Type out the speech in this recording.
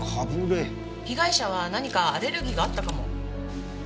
被害者は何かアレルギーがあったかも。